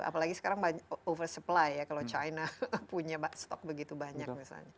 apalagi sekarang oversupply ya kalau china punya stok begitu banyak misalnya